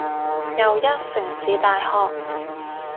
又一城市大學